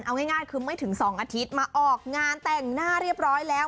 เอาง่ายคือไม่ถึง๒อาทิตย์มาออกงานแต่งหน้าเรียบร้อยแล้ว